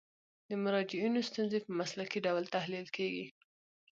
د مراجعینو ستونزې په مسلکي ډول تحلیل کیږي.